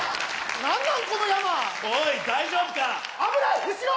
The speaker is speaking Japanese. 何なんこの山おい大丈夫か危ない後ろ